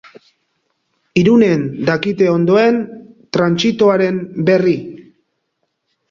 Irunen dakite ondoen trantsitoaren berri.